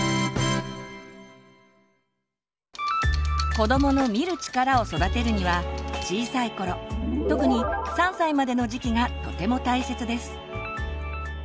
子どもの「見る力」を育てるには小さい頃特に３歳までの時期がとても大切です。